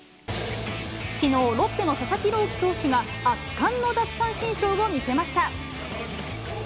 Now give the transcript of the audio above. きのう、ロッテの佐々木朗希投手が、圧巻の奪三振ショーを見せました。